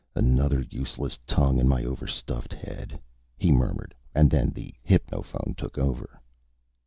"Another useless tongue in my overstuffed head," he murmured, and then the hypnophone took over.